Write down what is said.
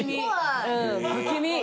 不気味。